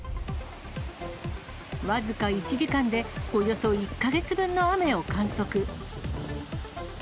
僅か１時間で、およそ１か月分の雨を観測。